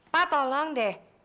pak tolong deh